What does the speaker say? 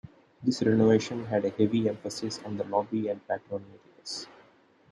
This renovation had a heavy emphasis on the lobby and patron areas.